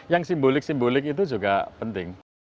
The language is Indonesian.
yang simbolik simbolik itu juga penting